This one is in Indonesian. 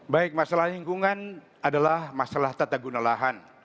baik masalah lingkungan adalah masalah tata guna lahan